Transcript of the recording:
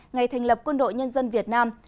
ngày thành lập quân đội nhân dân việt nam